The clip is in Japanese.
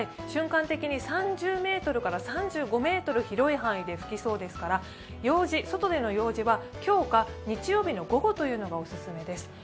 瞬間的に３０メートルから３５メートル広い範囲で吹きそうですから外での用事は今日か、日曜の午後がお勧めです。